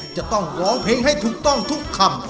จะต้องร้องเพลงให้ถูกต้องทุกคำ